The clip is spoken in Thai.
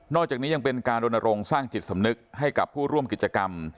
จากนี้ยังเป็นการรณรงค์สร้างจิตสำนึกให้กับผู้ร่วมกิจกรรม